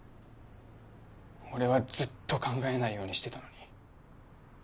俺はずっと考えないようにしてたのに。